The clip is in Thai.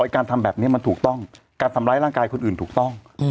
การทำแบบนี้มันถูกต้องการทำร้ายร่างกายคนอื่นถูกต้อง